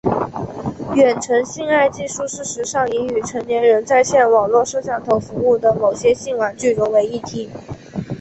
远程性爱技术事实上已与成人在线网络摄像头服务和某些性玩具融为一体。